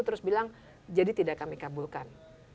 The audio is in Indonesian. terus bilang jadi tidak kami kabulkan